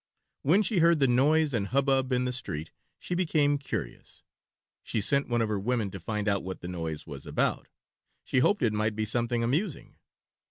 When she heard the noise and hubbub in the street she became curious. She sent one of her women to find out what the noise was about. She hoped it might be something amusing.